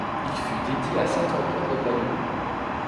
Il fut dédié à Saint Antoine de Padoue.